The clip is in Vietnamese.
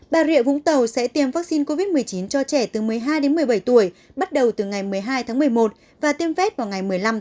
bà rịa vũng tàu sẽ tiêm vaccine covid một mươi chín cho trẻ từ một mươi hai đến một mươi bảy tuổi bắt đầu từ ngày một mươi hai tháng một mươi một và tiêm vét vào ngày một mươi năm tháng một